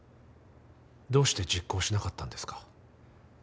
どうして実行しなかったんですか？